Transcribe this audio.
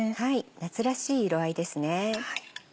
夏らしい色合いですね。